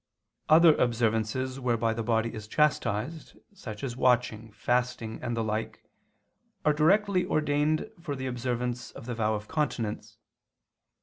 Other observances whereby the body is chastised, such as watching, fasting, and the like, are directly ordained for the observance of the vow of continence.